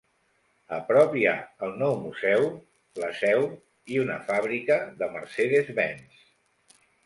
A prop hi ha el nou museu, la seu i una fàbrica de Mercedes-Benz.